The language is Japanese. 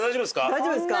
大丈夫ですか？